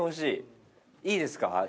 いいですか？